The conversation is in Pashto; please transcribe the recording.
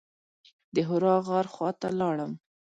د حرا غار خواته لاړم.